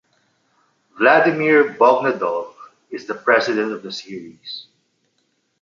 Vladimir Bogdanov is the president of the series.